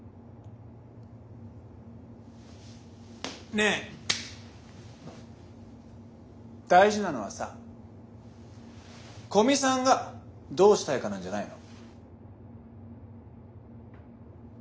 ねぇ大事なのはさ古見さんがどうしたいかなんじゃないの？